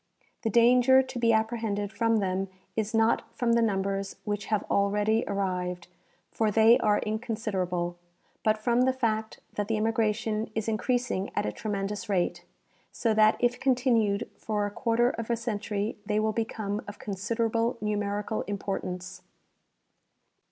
The danger to be apprehended from them is not from the numbers which have already arrived, for they are inconsiderable, but from the fact that the immigration is increasing at a tremendous rate, so that if continued for a quarter of a century they will become of considerable numerical importance.